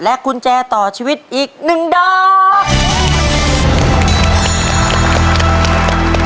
กุญแจต่อชีวิตอีก๑ดอก